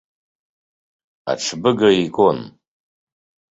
Аҽбыга икәон.